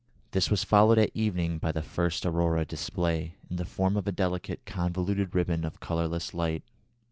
This was followed at evening by the first aurora display, in the form of a delicate convoluted ribbon of colourless light.